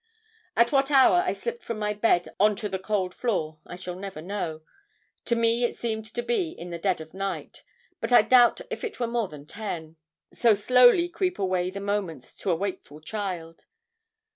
"At what hour I slipped from my bed on to the cold floor, I shall never know. To me it seemed to be in the dead of night; but I doubt if it were more than ten. So slowly creep away the moments to a wakeful child.